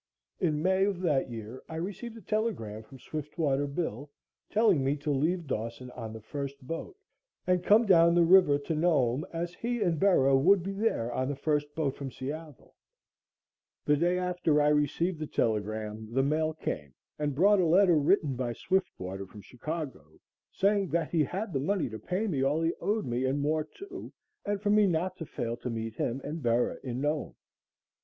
In May of that year I received a telegram from Swiftwater Bill telling me to leave Dawson on the first boat and come down the river to Nome, as he and Bera would be there on the first boat from Seattle. The day after I received the telegram the mail came and brought a letter written by Swiftwater from Chicago, saying that he had the money to pay me all he owed me and more too, and for me not to fail to meet him and Bera in Nome.